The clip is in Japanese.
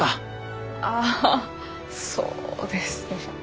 ああそうですね。